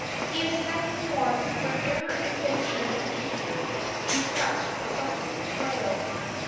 He is setting forth wherever adventure may lead him in quest of the Holy Grail.